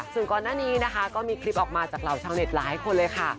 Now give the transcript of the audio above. ส่วนก่อนหน้านี้นะคะก็มีคลิปออกมาจากเหล่าชาวเน็ตหลายคนเลยค่ะ